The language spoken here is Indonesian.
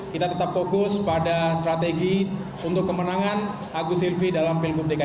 kita tetap fokus pada strategi untuk kemenangan agus silvi dalam pertandingan